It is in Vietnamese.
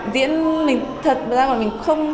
diễn mình thật ra mình không